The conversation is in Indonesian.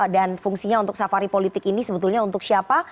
dan fungsinya untuk safari politik ini sebetulnya untuk siapa